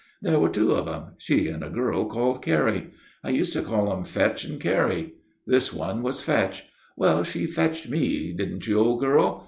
There were two of 'em she and a girl called Carrie. I used to call 'em Fetch and Carrie. This one was Fetch. Well, she fetched me, didn't you, old girl?